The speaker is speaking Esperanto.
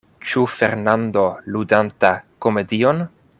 Ĉu Fernando ludanta komedion?